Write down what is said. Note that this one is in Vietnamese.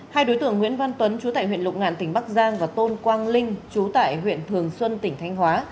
hai đối tượng nguyễn văn tuấn chú tại huyện lục ngạn tỉnh bắc giang và tôn quang linh chú tại huyện thường xuân tỉnh thanh hóa